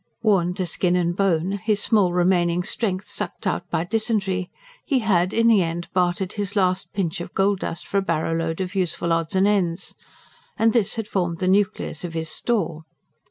Worn to skin and bone, his small remaining strength sucked out by dysentery, he had in the end bartered his last pinch of gold dust for a barrow load of useful odds and ends; and this had formed the nucleus of his store.